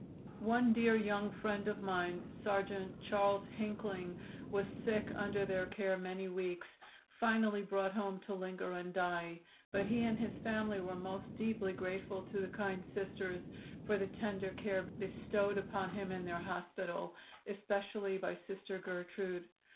] "One dear young friend of mine, Sergeant Charles Hinkling, was sick under their care many weeks; finally brought home to linger and die; but he and his family were most deeply grateful to the kind Sisters for the tender care bestowed upon him in their hospital, especially by Sister Gertrude.